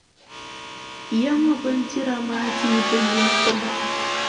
Yaŋɔ bindira maa dii bi lu n-ti ma.